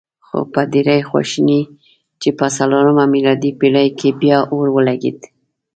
خو په ډېرې خواشینۍ چې په څلورمه میلادي پېړۍ کې بیا اور ولګېد.